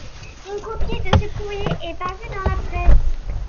Une copie de ce courrier est parue dans la presse.